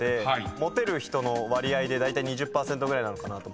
モテる人の割合でだいたい２０％ぐらいなのかなと。